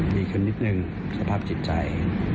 ดีขึ้นนิดนึงสภาพจิตใจ